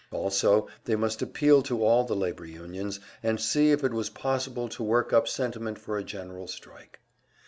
Also, they must appeal to all the labor unions, and see if it was possible to work up sentiment for a general strike.